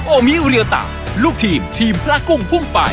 โอมิเรียตะลูกทีมทีมพระกุ้งพุ่งไป